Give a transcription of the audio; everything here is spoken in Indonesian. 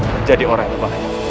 menjadi orang yang baik